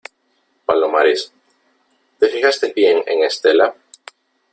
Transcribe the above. palomares ,¿ te fijaste bien en Estela ?